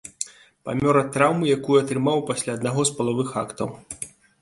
Памёр ад траўмы, якую атрымаў пасля аднаго з палавых актаў.